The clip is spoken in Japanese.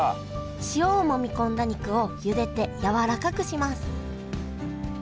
塩をもみ込んだ肉をゆでてやわらかくします。